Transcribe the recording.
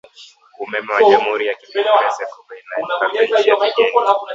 Umeme wa jamhuri ya kidemocrasia ya kongo inaenda ata inchi ya kigeni